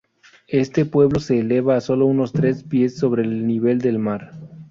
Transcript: Este pueblo se eleva a solo unos tres pies sobre el nivel del mar.